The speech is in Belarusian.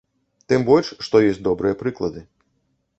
Тым больш што ёсць добрыя прыклады.